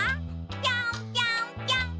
ぴょんぴょんぴょん！